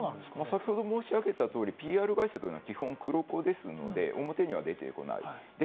先ほど申し上げたように、ＰＲ会社というのは基本黒子なので、表に出てこない。